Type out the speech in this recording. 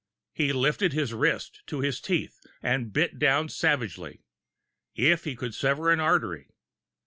He lifted his wrist to his teeth, and bit down savagely. If he could sever an artery....